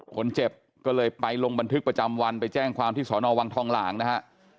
คนเจ็บก็เลยไปลงบันทึกประจำวันไปแจ้งความที่สอนอวังทองหลางนะฮะ